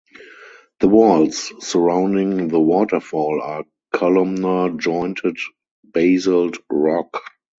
The walls surrounding the waterfall are columnar jointed basalt rock.